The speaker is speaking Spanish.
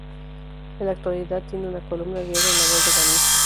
En la actualidad tiene una columna diaria en "La Voz de Galicia".